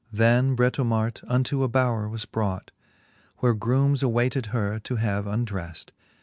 Then Britomart unto a bowre was brought ; Where groomes awayted her to have undreft.